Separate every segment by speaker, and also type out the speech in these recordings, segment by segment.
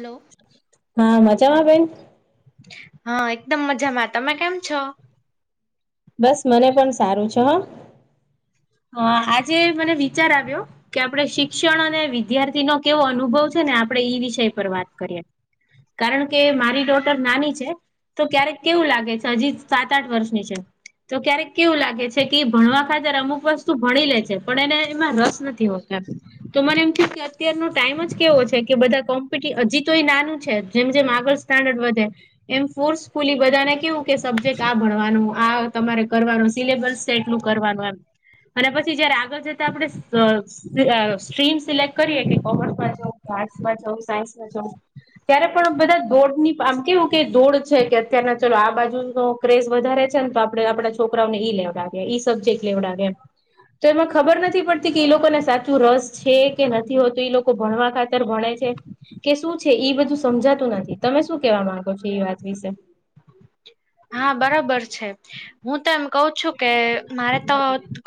Speaker 1: Hello.
Speaker 2: હા મજામાં બેન?
Speaker 1: હા એકદમ મજામાં તમે કેમ છો?
Speaker 2: બસ મને પણ સારું છે હ, આજે મને વિચાર આવ્યો. કે આપણે શિક્ષણ અને વિદ્યાર્થી નો કેવો અનુભવ છે ને આપડણે ઈ વિષય પર વાત કરીએે. કારણ કે મારી ડોટર નાની છે. તો ક્યારેક કેવું લાગે છે હજી સાત આઠ વર્ષની છે. તો ક્યારેક કેવું લાગે છે કે ભણવા ખાતર અમુક વસ્તુ ભણી લે છે પણ એને એમાં રસ નથી. તો મને એમ થ કે અત્યારનો ટાઈમ જ કેવો છે કે બધા હજી તો એ નાનું છે જેમ જેમ આગળ સ્ટાન્ડડ વધે, એમ ફોર્સ ફૂલી બધાને કેવું કે સબ્જેક્ટ આ ભણવાનું આ તમારે કરવાનું સિલેબસ એટલું કરવાનું એમ, અને પછી જયારે આગળ જતા આપણે સ્ટ્રીમ સિલેક્ટ કરીએ કે કોમર્સમાં જાઉ કે આર્ટસમાં જાઉ સાયન્સમાં જાઉ. ત્યારે પણ બધા દોડ ની આમ કેવું કે દોડ છે કે અત્યને ચાલ આ બાજુ ન ક્રેઝ વધારે છે ને તો આપણે આપડા છોકરાઓને ઈ લેવડ ગે ઈ સબ્જે્ટ લેડાગે તો એમાં ખબર નથી પડતી કે ઈ લોકોને સાચું રસ છે કે નથી હોતો લોકો ભણવા ખા ભણે છે કે શું છે એ બધું સમજાતું નથી તમે શું કેવા માંગો છો એ વાત વિશે
Speaker 1: હા બરોબર છે હું તો એમ કઉ છું કે મારે તો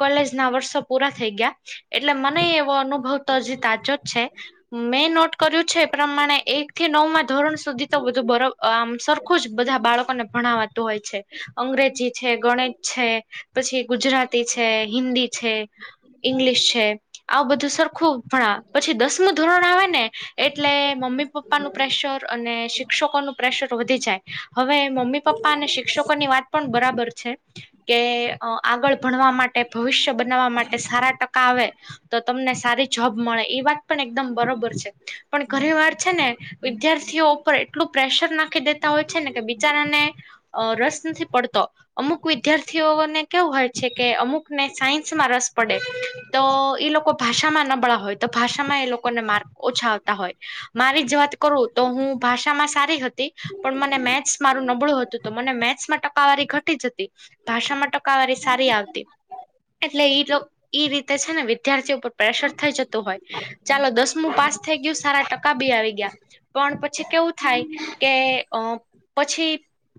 Speaker 1: કોલેજ ના વર્ષો પૂરા થઈ ગયા એટલે મને એવો અનુભવ તો હજી સાચો જ છે. મેં નોટ કર્યું છે એ પ્રમાણે એક થી નવ માં ધોરણ સુધી તો બધું આમ સરખું જ બધા બાળકોને ભણાવવા હોય છે. અંગ્રેજી છે ગણિત છે પછી ગુજરાતી છે હિન્દી છે. ઈંગ્લિશ છે આવું બધું સરખું ભણા પછી દસમું ધોરણ આવે ને એટલે મમ્મી પપ્પાનુંું પ્રેશર અને શિક્ષકોનુંું પ્રેશર વધી જાય હવે મમ્મી પપ્પા અને શિક્ષકોની વાત બરાબર છે કે આગળ ભણવા માટે ભવિષ્ય બ બ માટે સારા ટકા આવે તો તમને સારી જોબ મળે એ વાત પણ એકદમ બરોબર છે પણ ઘણી વાર છે ને વિદ્યાર્થીઓ ઉપર એટલું પ્રેશર નાખી દેતા હોય છે ને કે બિચારાને અ રસ નથી પડતો અમુક વિદ્યાર્થીઓને કેવું હોય છે કે અમુકને સાયન્સમાં રસ પડે તો ઈ લોકો ભાષામાં નબળા હોય તો ભાષામાં એ લોકોને માર્ગ ઓછા આવતા હોય મારી જ વાત કરું તો હું ભાષામાં સારી હતી પણ મને મેચ મારું નબળું હતું. તો મને મેથસમાં ટકાવારી ઘટી જતી ભાષામાં ટકાવારી સારી આવતી એટલે ઈ રીતે છે ને વિદ્યાર્થી ઉપર પ્રેશર થઈ જતું હોય ચાલો દસમું પાસ થઈ ગયું સારા ટકા બી આવી ગયા. પણ પછી કેવું થાય કે અ પછી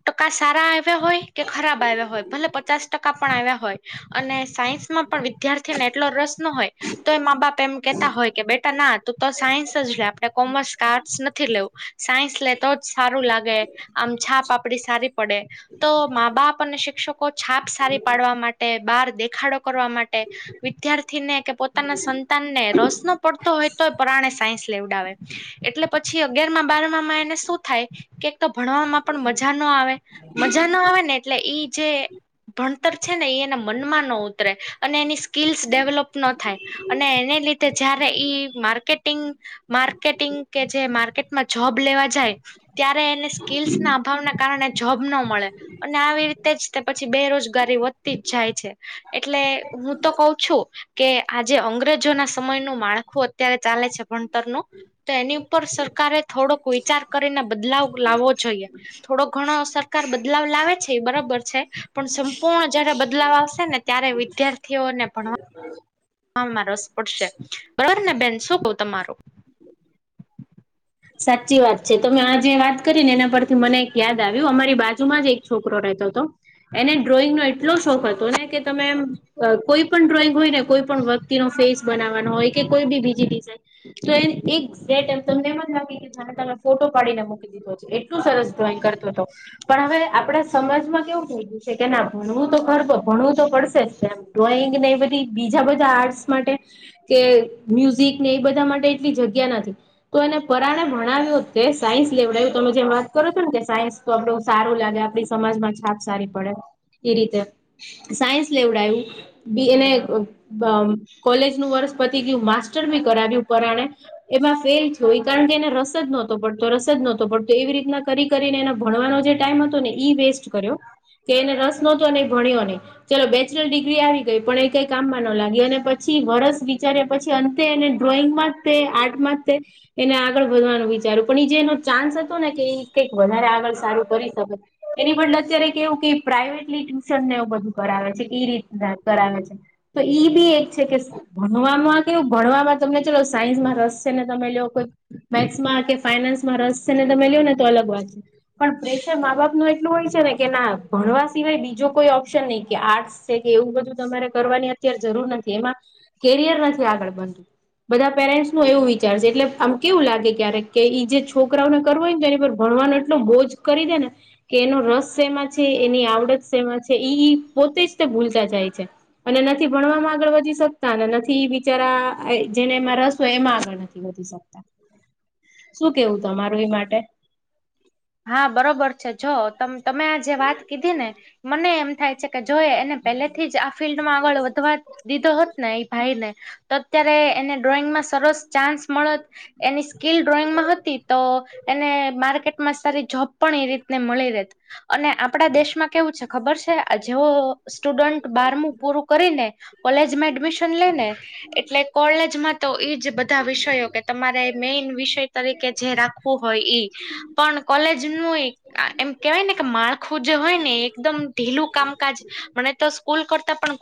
Speaker 1: ટકા સારા આવ્યા હોય કે ખરાબ આવ્યા હોય ભલે પચાસ ટકા પણ આવ્યા હોય અને સાયન્સમાં પણ વિદ્યાર્થીને એટલો રસ ન હોય. તો એ મા બાપ એમ કેહેતા હોય કે બેટા ના તું તો સાયન્સ જ લે આપણે કોમર્સ કે આર્ટસ નથી લેવું સાયન્સ લેતો જ સારું લાગે આમ છાપ આપડી સારી પડે તો મા બાપ અને શિક્ષકો છાપ સારી પાડવા માટે બહાર દેખાડો કરવા માટે. વિદ્યાર્થીને કે પોતાના સંતાનને રસ નો પડતો હોય તો પ્રરાણે સાયન્સ લેવડાવે એટલે પછી અગિારમાં બાર માં એને શું થાય કે તો ભણવામાં પણ મજા ન આવે મજા ન આવે ને એટલે ઈ જે ભણ ર છે ને એના મનમાં ન ઉતરે અને એની સ્કીલ્સ ડેવલોપ ન થાય અને એને લીધે જયારે ઈ માર્કેટિંગ માર્કેટિંગ કે જે માર્કેટમાં જોબ લેવા જાય. ત્યારે એને સ્કીલ્સ ના અભાવના કારણે જોબ ન મળે અને આવી રીતે જ તે પછી બેરોજગારી વધતી જ જાય છે એટલે હું તો કઉ છું કે આજે અંગ્રેજો ના સમયનું માળખું અત્યારે ચાલે છે ભણતરનું તો એની ઉપર સરકારે થોડોક વિચાર કરીને બદલાવ લાવવો જોઈએ થોડો ઘણો સરકાર બદલાવ લાવે છે એ બરાબર છે પણ સંપૂર્ણ જયારે બદલાવ આવશે ને ત્યારે વિદ્યાર્થીઓને ભણ
Speaker 2: હમ
Speaker 1: હા રસ પડશે બરોબર ને બેન શું કઉ તમારું?
Speaker 2: સાચી વાત છે તમે આ જે વાત કરી ને એના પરથી મને એક યાદ આવ્યું અમારી બાજુમાં જ એક છોકરો રહેતો હતો એને ડ્રોઈંગનો એટલો શોખ હતો ને કે તમે કોઈ પણ ડ્રોઈંગ હોય ને કોઈ પણ વ્યક્તિ ન ફેસ બનાવવાનો હોય કે કોઈ બી બીજી ડિઝઇન તો એ એક તમને એમ જાગ તને ફોટો પાડીને મૂકી દીધો છે એટલ સરસ ડ્રોઈંગ કરતો હતો પણ હવે આપડ સમાજમાં કેવું થઈ ગયું છે કે ના ભણવું તો ગરબ ભણવું તો પડશે જ તેમ ડ્રોઈંગ ને એ બધી બીજા બધા આર્ટસ માટે કે મ્યુઝિક ને એ બધા માટે એટલી જગ્યા નથી તો એને પરાને ભણાવ્યું કે સાયન્સ લેવડાવ્યું તમે જેમ વાત કરો છો ને કે સાયન્સ તો આપડું સારું લાગે આપ સમાજમાં છાપ સારી પડે એ રીતે સાયન્સ લેવડાયું બી એને કોલેજ નું વર્ષ પતી ગયું માસ્ટર બી કરાવ્યું પરાણે એમાં ફેલય કારણ કે એને રસ જ નહોતો પડતો રસ જ નહોતો પડતો એવી રીતના કરી કરીને એને ભણવાનો જે ટાઈમ હતો ને ઈ વેસ્ટ કર્યો કે એને રસ નતો ન ભણ્યો નહી ચલો બેચલર ડિગ્રી આવી ગઈ પણ એ કઈ કામમાં ન લાગી અને પછી વરસ વિચારે પછી અંતે એને ડ્રોઈંગ માં તે આર્ટમાં એને આગળ વધવાનું વિચાર્યું પણ એ જે એનો ચાન્સ હતો ને કે એ કઈક વધારે આગળ સારું કરી શકે એની બદલે અત્યારે કેવું કે પ્રાઇવેટલી ટ્યુશનને એવું બધું કરાવે છે એ રીત કરાવે છે તો ઈ ભી એક છે કે ભણવામાં કેવું ભણવામાં તમને ચલોો સાયન્સ માં રસ છે ને તમે લવ કોઈ મેથસમાં કે ફાઈનાન્સમાં રસ છે ને તમે લઓ ને તો અલગ વાત છે પણ પ્રેશર મા બાપ ન એટલું હોય છે ને કે ના ભણવા સિવાય બીજો કોઈ ઓપ્શન નહી કે આર્ટસ કે એવું બધું તમારે કરવાની અત્યારે જરૂર નથી એમાં કેરિયર નથી આગળ બનતું બધા પેરેન્ટ્સ નું એવું વિચાર છે એટલે કેવું લાગે ક્યારેક કે ઈ જે છોકરાઓને કરવો હોયને તો એની પર ભણવાનો એટલો બોજ કરી દે ને કે એનો રસ સેમાં છે એની આવડત સેમાં છે પોતે જ તે ભૂલતા જાય છે અને નથી ભણવામાં આગળ વધી શકતા અને નથી બિચારા જેને એમાં રસ હોય એમાં આગળ નથી વધી શકતા શું કેવું તમારું એ માટે
Speaker 1: હા બરોબર છે જો ત તમે આ જે વાત કીધી ને મને એમ થાય છે કે જો એ અને પહેલેથી જ આ ફિલ્ડમાં આગળ વધવા દીધો હોત ને એ ભાઈને તો અત્યારે એને ડ્રોઈંગમાં સરસ ચાન્સ મળત એની સ્કીલ ડ્રોઈંગમાં હતી તો એને માર્કેટ માં સારી જોબ પણ એ રીતને મળી રત અને આપડા દેશમાં કેવું છે ખબર છે આ જેવ સ્ટુડન્ટ બારમું પૂરું કરીને કોલેજમાં એડમિશન લેને એટલે કોલેજમાં તો ઈજ બધા વિષયો કે તમારે મેઈન વિષય તરીકે જે રાખવું હોય ઈ પણ કોલેજ નું આ એમ કેહેવાય ને કે માળખું જે હોય ને એકદમ ઢીલું કામકાજ મને તો સ્કૂલ કરતા પણ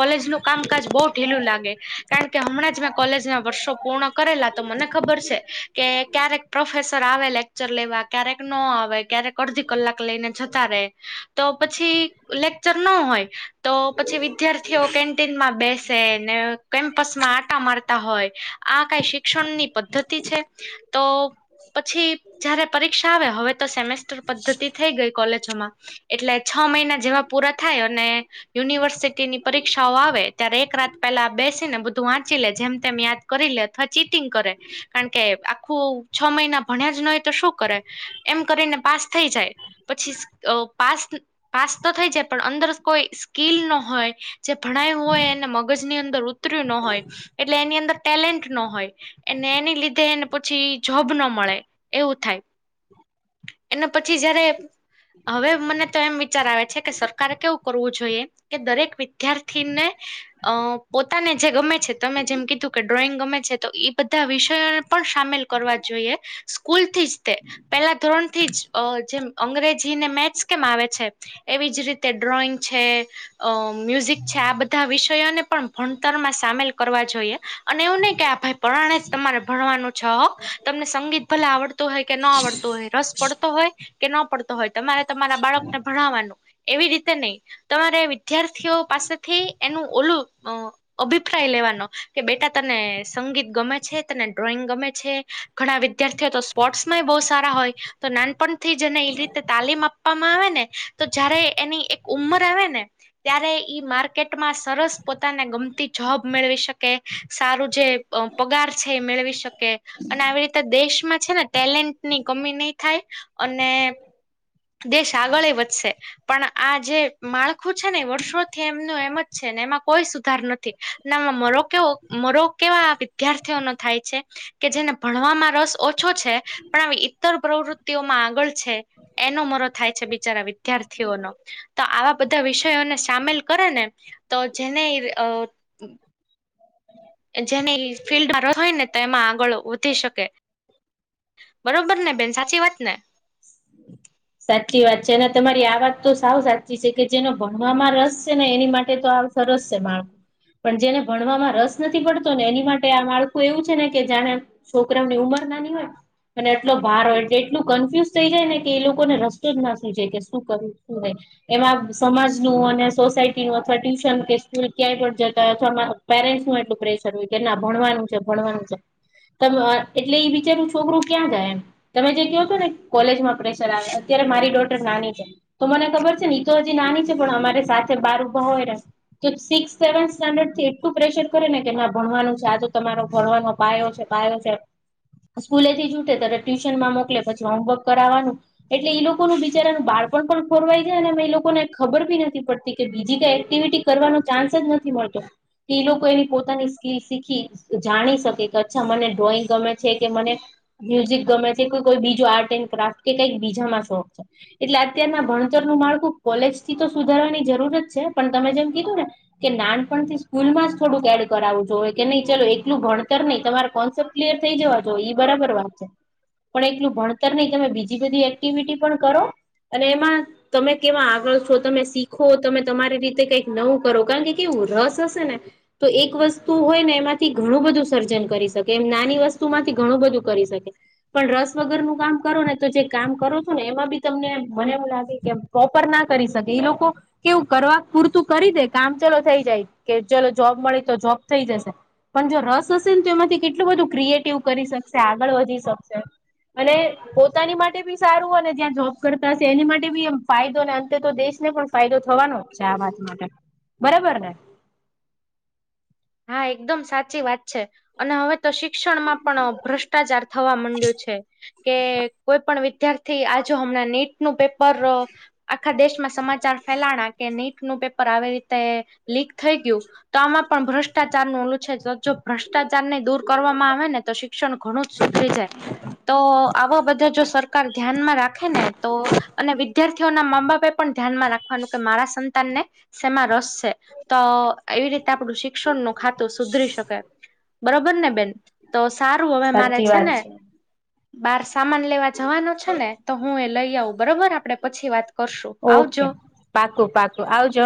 Speaker 1: કોલેજ નું કામકાજ બહુ ઢીલું લાગે કારણ કે હમણાં જ મેં કોલેજ ના વર્ષો પૂર્ણ કરેલા તો મને ખબર છે કે ક્યારેક પ્રોફેસર આવે લેકચર લેવા ક્યારેક ન આવે ક્યારેક અડધી કલાક લઈને જતા ર રહે તો પછી લેકચર ન હોય તો પછી વિદ્યાર્થીઓ કેન્ટીન માં બેસે ને કેમ્પસ માં આટા મારતા હોય આ કઈ શિક્ષણ ની પદ્ધતિ છે તો પછી જયારે પરીક્ષા આવે હવે તો સેમેસ્ટર પદ્ધતિ થઈ ગઈ કોલે ોમાં એટલે છ મહિના જેવા પૂરા થાયને યુનિવર્સિટીની પરીક્ષાઓ આવે ત્યારે એક રાત પહેલા બેસીને બધું વાંચી લે જેમ તેમ યાદ કરી લે અથવા ચીટિંગ કરે કારણ કે આખું છ મહિના ભણ્યા જ ન હોય તો શું કરે એમ કરીને પાસ થઈ જાય પછી પાસ પાસ તો થઈ જાય પણ અંદર કોઈ સ્કીલ ન હોય જે ભણાયું હોય એને મગજ ની અંદર ઉતર્યું ન હોય એટલે એની અંદર ટેલેન્ટ ન હોય એ એની લીધે એ પછી જોબ ન મળે એવું થાય એના પછી જયારે હવે મને તો એમ વિચાર આવે છે કે સરકારે કેવું કરવું જોઈએ કે દરેક વિદ્યાર્થીને અ પોતાને જે ગમે તમે જેમ કીધું કે ડ્રોઈંગ ગમે છે તો એ બધા વિષયોને પણ સામેલ કરવા જોઈએ સ્કૂલથી જ તે પેલા ધોરણ થી જ જેમ અંગ્રેજીને મેથ્સ કેમ આવે છે એવી જ રીતે ડ્રોઈંગ છે મ્યુઝિક છે આ બધા વિષયોને પણ ભણતરમાં સામેલ કરવા જોઈએ અને એવું નહ કે આ ભાઈ પરણે જ તમારે ભણવાનું છે હક તમને સંગીત ભલે આવડતોું હોય કે ન આવડતો હોય રસ પડતો હોય કે ન પડતો હોય તમારે તમારા બાળકને ભણાવવાનું એવી રીતે નહી તમારે વિદ્યાર્થીઓ પાસેથી એનું ઓલું અ અભિપ્રાય લેવાનો કે બેટા તને સંગીત ગમે છે તને ડ્રોઈંગ ગમે છે ઘણા વિદ્યાર્થીઓ તો સ્પોર્ટ્સમાં બહુ સારા હોય તો નાનપણથી જને એ રીતે તાલીમ આપ આપવામાં આવે ને તો જયારે એની એક ઉંમર આવે ને ત્યારે ઈ માર્કેટમાં સરસ પોતાને ગમતી જોબ મેળવી શકે. કે સારું જે પગાર છે એ મેળવી શકે અને આવી રીતે દેશમાં છે ને ટેલેન્ટ ની કમી નહી થાય અને દેશ આગળ ય વધશે. પણ આ જે માળખું છે ને વર્ષોથી એમનું એમ જ છે ને એમાં કોઈ સુધાર નથી. નામાં મરો કેવો મરો કેવા વિદ્યાર્થીઓ નો થાય છે. કે જેને ભણવામાં રસ ઓછો છે પણ આવી ઈતર પ્રવૃત્તિઓમાં આગળ છે. એનો મરો થાય છે બિચારા વિદ્યાર્થીઓનો તો આવા બધા વિષયોને સામેલ કરે ને તો જેને જેને ફિલ્ડ હોય ને તો એમાં આગળ વધી શકે. બરોબર ને બેન સાચી વાત ને?
Speaker 2: સાચી વાત છે અને તમારી આ વાત તો સાવ સાચી છે કે જેનો ભણવામાં રસ છે ને એની માટે તો સરસ છે માળ પણ જેને ભણવામાં રસ નથી પડતો ને એની માટે આ માળખું એવું છે ને કે જાણે છોકરાઓની ઉંમર નાની હોય અને એટલો ભાર હોય એટલે એટલું કન્ફ્યુઝ થઈ જાય ને કે એ લોકો લોકોને રસ્તો જ ના સુઝે કે શું કરું શું નય? એમાં સમાજ નું અને સોસાયટી નું અથવા ટ્યુશન કે સ્કૂલ ક્યાંય પણ જતા હોય અથવા પેરેન્ટ્સ નું એટલું પ્રેશર હોય કે ના ભણવાનું છે ભણવાનું છે. એટલે બિચારું છોકરું ક્યાં જાય એમ તમે જે કહો છો ને કોલેજમાં આપણે અત્યારે મારી ડોટર નાની છે. તો મને ખબર છે ને તો હજી નાની છે પણ અમારે સાથે બાર ઊભા હોય કે સિક્સ સેવન્ સ્ટાન્ડર્ડ થી એટલું પ્રેશર કરે ને કે ના ભણવાનું છે આજ તમારો ભણવાનો પાયો છે. છે સ્કૂલેથી છુટે તો ટ્યુશન માં મોકલે પછી હોમવર્ક કરાવવાનું એટલે ઈ લોકોનું બિચારાનું બાળપણ પણ ખોરવાય જાય અને એ લોકોને ખબર બી નથી પડતી કે બીજી કઈ એક્ટિવિટી કરવાનો ચાન્સ જ નથી મળતો કે લોકો એની પોતાની સ્કીલ શીખી જાણી શકે કે અચ્છા મને ડ્રોઈંગ ગમે છે કે મને મ્યુઝિક ગમે છે કે કોઈ બીજું આર્ટ એન્ડ ક્રાફ્ટ કે કંઈક બીજામાં શોખ છે. એટલે અત્યારના ભણતરનું માળખું કોલેજ થી તો સુધારવાની જરૂરત છે પણ તમે જેમ કીધું ને કે નાનપણ થી સ્કૂલ માં જ થોડુંક એડ કરાવું જોઇએ કે નહી ચલો એટલું ભણતર નહી તમારા કોન્સેપ્ટ ક્લયર થઈ જવા એ બરાબર વાત છે પણ એટલું ભણતર નહી તમે બીજી બધી એક્ટિવિટી પણ કરો અને એમાં તમે કેવા આગળ છો તમે શીખો તમે તમારી રીતે કઈક નવું કરો કારણ કે કેવું રસ હશે ને તો એક વસ્તુ હોય ને એમાંથી ઘણું બધું સર્જન કરી શકે એમ નાની વસ્તુમાંથી ઘણું બધું કરી શકે. પણ રસ વગર નું કામ કરો ને તો જે કામ કરો છો ને એમાં બી તમને મને એમું લાગે કે પ્રોપર ના કરી શકે ઈ લોકો- કેવું કરવા પૂરતું કરી દે કામ ચલો થઈ જાય કે ચલો જોબ મળી તો જોબ થઈ જશે. પણ જો રસ હશે ને તો એમાંથી કેટલું બધું ક્રિએટિવ કરી શકશે આગળ વધી શકશે. અને પોતાની માટે બી સારું અને ત્યાં જોબ કરતા હશે એની માટે બી એમ ફાયદો ને અંતે તો દેશ ને પણ ફાયદો થવાનો ચા વાત માટે બરોબર ને
Speaker 1: હા એકદમ સાચી વાત છે. અને હવે તો શિક્ષણમાં પણ ભ્રષ્ટાચાર થવા મંડ્યો છે. કે કોઈ પણ વિદ્યાર્થી આજ હમણાં નીટ નું પેપર આખા દેશમાં સમાચાર ફેલાણા કે નીટ નું પેપર આવી રીતે લીક થઈ ગયું તો આમાં પણ ભ્રષ્ટ ભ્રષ્ટાચારનું ઓલું છે તો જો ભ્રષ્ટાચાર ને દૂર કરવામાં આવે ને તો શિક્ષણ ઘણું જ સુધરી જાય. તો આવા બધા જો સરકાર ધ્યાનમાં રાખે ને તો અને વિદ્યાર્થીઓના મા બાપે પણ ધ્યાનમાં રાખવાનું કે મારા સંતાનને શેમાં રસ છે તો એવી રીતે આપડું શી શિક્ષણ નો ખાતું સુધરી શકે બરોબર ને બેન? તો સારું હવે મારે
Speaker 2: સાચી
Speaker 1: છે
Speaker 2: વાત
Speaker 1: ને બાર સામાન લેવા જવાનો છે ને તો હું એ લઈ આવું બરોબર આપડે પછી વાત કરશું
Speaker 2: ઓકે
Speaker 1: આવજો
Speaker 2: પાકું પાકું આવજો